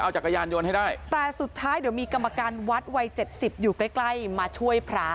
จักรยานยนต์ให้ได้แต่สุดท้ายเดี๋ยวมีกรรมการวัดวัยเจ็ดสิบอยู่ใกล้ใกล้มาช่วยพระ